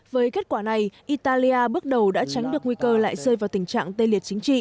với kết quả này italia bước đầu đã tránh được nguy cơ lại rơi vào tình trạng tê liệt chính trị